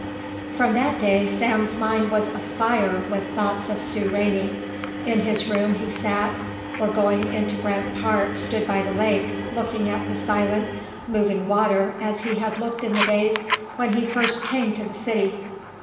From that day Sam's mind was afire with thoughts of Sue Rainey. In his room he sat, or going into Grant Park stood by the lake, looking at the silent, moving water as he had looked in the days when he first came to the city.